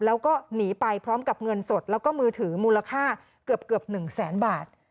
แล้วก็หนีไปพร้อมกับเงินสดแล้วก็มือถือมูลค่าเกือบ๑แสนบาท